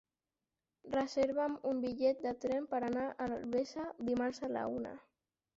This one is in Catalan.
Reserva'm un bitllet de tren per anar a Albesa dimarts a la una.